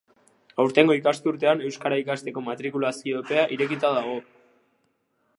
Aurtengo ikasturtean euskara ikasteko matrikulazio epea irekita dago.